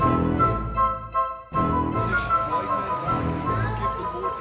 rental game tau